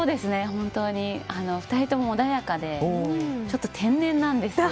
本当にお二人とも穏やかでちょっと天然なんですよ。